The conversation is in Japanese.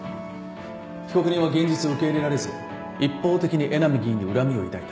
被告人は現実を受け入れられず一方的に江波議員に恨みを抱いた。